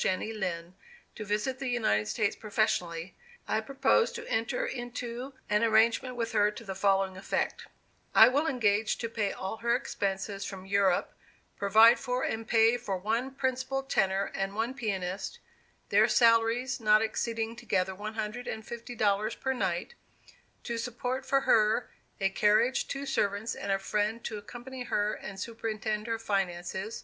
Jenny Lind to visit the United States professionally, I propose to enter into an arrangement with her to the following effect: I will engage to pay all her expenses from Europe, provide for and pay for one principal tenor and one pianist, their salaries not exceeding together one hundred and fifty dollars per night; to support for her a carriage, two servants, and a friend to accompany her and superintend her finances.